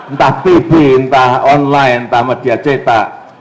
entah tv entah online entah media cetak